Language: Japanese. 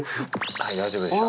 はい大丈夫でした。